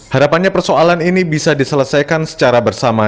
harapannya persoalan ini bisa diselesaikan secara bersama